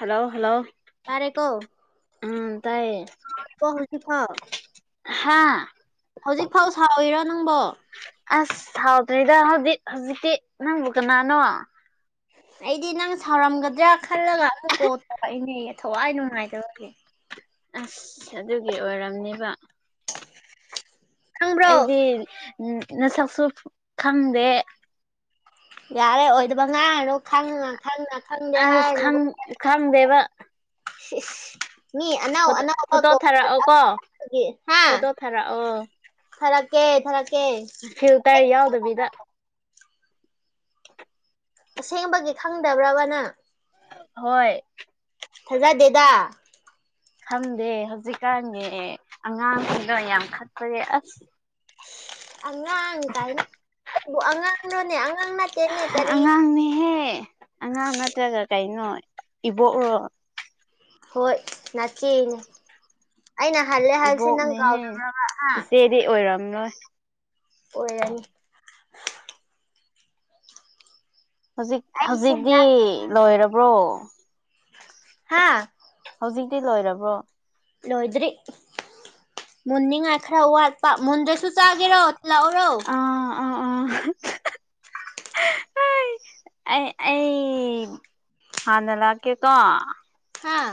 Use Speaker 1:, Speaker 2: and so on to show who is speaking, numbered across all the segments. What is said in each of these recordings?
Speaker 1: hello hello
Speaker 2: ꯇꯔꯦ ꯀꯣ
Speaker 1: ꯎꯝ ꯇꯥꯏꯌꯦ
Speaker 2: [unintelligible]
Speaker 1: ꯍꯥꯥ
Speaker 2: ꯍꯧꯖꯤꯛꯐꯥꯎ ꯁꯥꯎꯔꯤꯔꯣ ꯅꯪꯕꯣ
Speaker 1: ꯑꯁ ꯁꯥꯎꯗ꯭ꯔꯦꯗ ꯍꯧꯖꯤꯛ ꯍꯧꯖꯤꯛꯇꯤ ꯅꯪꯕꯨ ꯀꯅꯥꯅꯣ
Speaker 2: ꯑꯩꯗꯤ ꯅꯪ ꯁꯥꯎꯔꯝꯒꯗ꯭ꯔꯥ ꯈꯜꯂꯒ ꯑꯗꯨ ꯀꯣꯜ ꯇꯧꯔꯛꯏꯅꯦ ꯊꯋꯥꯏ ꯅꯨꯡꯉꯥꯏꯇꯕꯒꯤ
Speaker 1: ꯑꯁ ꯑꯗꯨꯒꯤ ꯑꯣꯏꯔꯝꯅꯦꯕ
Speaker 2: ꯈꯪꯕ꯭ꯔꯣ
Speaker 1: ꯑꯩꯗꯤ ꯎ ꯅꯁꯛꯁꯨ ꯈꯪꯗꯦ
Speaker 2: ꯌꯥꯔꯦ ꯑꯣꯏꯗꯕꯉꯥꯡꯉꯥꯅꯨ ꯈꯪꯅꯥ ꯈꯪꯅꯥ ꯈꯪꯕ꯭ꯔꯥ
Speaker 1: ꯑꯁ
Speaker 2: ꯍꯥꯏꯗꯨꯕꯨ
Speaker 1: ꯈꯪ ꯈꯪꯗꯦꯕ
Speaker 2: ꯃꯤ ꯑꯅꯧ
Speaker 1: ꯐꯣꯇꯣ
Speaker 2: ꯑꯅꯧꯕ
Speaker 1: ꯐꯣꯇꯣ
Speaker 2: ꯀꯣꯜ ꯇꯧꯔꯛ
Speaker 1: ꯊꯥꯔꯛꯑꯣꯀꯣ
Speaker 2: [unintelligible] ꯍꯥ
Speaker 1: ꯐꯣꯇꯣ ꯊꯥꯔꯛꯑꯣ
Speaker 2: ꯊꯔꯛꯀꯦ ꯊꯔꯛꯀꯦ
Speaker 1: ꯐꯤꯜꯇꯔ ꯌꯥꯎꯗꯕꯤꯗ
Speaker 2: ꯑꯁꯦꯡꯕꯒꯤ ꯈꯪꯗꯕ꯭ꯔꯕꯥ ꯅꯪ
Speaker 1: ꯍꯣꯏ
Speaker 2: ꯊꯥꯖꯗꯦꯗꯥ
Speaker 1: ꯈꯪꯗꯦ ꯍꯧꯖꯤꯛꯀꯥꯟꯒꯤ ꯑꯉꯥꯡꯁꯤꯡꯗꯣ ꯌꯥꯝ ꯈꯠꯄꯅꯦ ꯑꯁ
Speaker 2: ꯑꯉꯥꯡ ꯀꯥꯏꯅ ꯑꯩꯕꯨ ꯑꯉꯥꯡꯔꯥꯅ‌ꯦ ꯑꯉꯥꯡ ꯅꯠ
Speaker 1: ꯍ ꯑꯉꯥꯡꯅꯦꯍꯦ ꯑꯉꯥꯡ ꯅꯠꯇ꯭ꯔꯒ ꯀꯩꯅꯣ ꯏꯕꯣꯛꯔꯣ
Speaker 2: ꯍꯣꯏ ꯅꯆꯦꯅꯦ ꯑꯩꯅ ꯍꯜꯂꯦ ꯍꯥꯏꯜꯁꯦ ꯅꯪ ꯀꯥꯎꯗꯕ꯭ꯔꯕꯥ ꯍꯥ
Speaker 1: ꯗꯤ ꯑꯣꯏꯔꯝꯅꯣꯏ
Speaker 2: ꯑꯣꯏ ꯌꯥꯅꯤ
Speaker 1: ꯍꯧꯖꯤꯛ
Speaker 2: ꯑꯩꯁꯦ
Speaker 1: ꯍꯧꯖꯤꯛꯇꯤ ꯂꯣꯏꯔꯕ꯭ꯔꯣ
Speaker 2: ꯍꯥꯥ
Speaker 1: ꯍꯧꯖꯤꯛꯇꯤ ꯂꯣꯏꯔꯕ꯭ꯔꯣ
Speaker 2: ꯂꯣꯏꯗ꯭ꯔꯤ ꯃꯨꯟꯅꯤꯡꯉꯥꯏ ꯈꯔ ꯋꯥꯠꯄ ꯃꯨꯟꯗ꯭ꯔꯁꯨ ꯆꯥꯒꯦꯔꯣ ꯊꯤꯜꯂꯛꯎꯔꯣ
Speaker 1: ꯑꯥ
Speaker 2: [unintelligible]
Speaker 1: ꯍ ꯑꯩ ꯑꯩ ꯑꯩ ꯍꯥꯟꯅ ꯂꯥꯛꯀꯦꯀꯣ
Speaker 2: ꯍꯥꯥ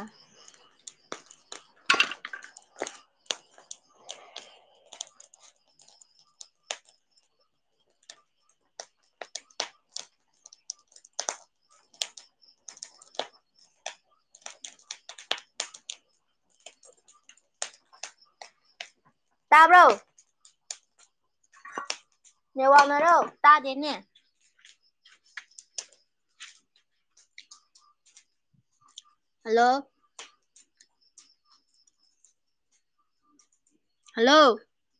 Speaker 2: ꯇꯥꯕ꯭ꯔꯣ ꯅꯦꯠꯋꯥꯛꯅꯔꯣ ꯇꯥꯗꯦꯅꯦ ꯍꯜꯂꯣ ꯍꯜꯂꯣ